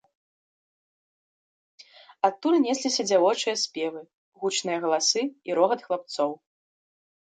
Адтуль несліся дзявочыя спевы, гучныя галасы і рогат хлапцоў.